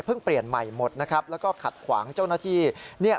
เปลี่ยนใหม่หมดนะครับแล้วก็ขัดขวางเจ้าหน้าที่